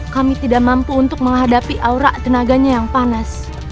kami tidak mampu untuk menghadapi aura tenaganya yang panas